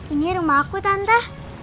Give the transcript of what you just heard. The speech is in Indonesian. ini rumah aku tante